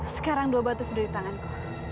sekarang dua batu sudah di tanganku